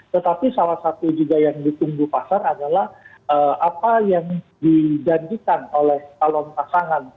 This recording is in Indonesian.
tetapi salah satu juga yang ditunggu pasar adalah apa yang dijadikan oleh talon pasar